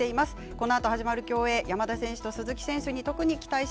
このあと始まる競泳山田選手と鈴木選手に特に期待しています。